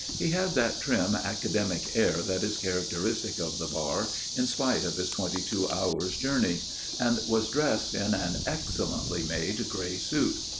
He had that trim academic air that is characteristic of the Bar, in spite of his twenty two hours jour ney ; and was dressed in an excellently made grey suit.